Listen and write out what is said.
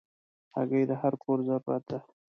هګۍ د هر کور ضرورت ده.